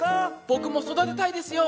僕も育てたいですよ